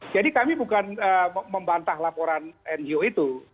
jadi kami bukan membantah laporan ngo itu